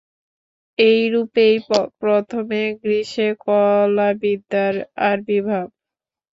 এইরূপেই প্রথমে গ্রীসে কলাবিদ্যার আবির্ভাব।